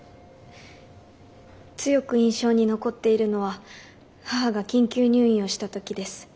強く印象に残っているのは母が緊急入院をした時です。